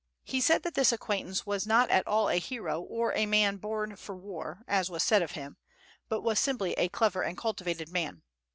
He said that this acquaintance was not at all a hero or a man born for war, as was said of him, but was simply a clever and cultivated man.